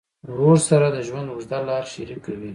ورور سره د ژوند اوږده لار شریکه وي.